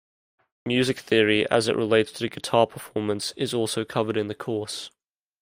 Music theory as it relates to guitar performance is also covered in the course.